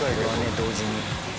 同時に。